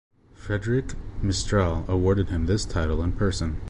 Frédéric Mistral awarded him this title in person.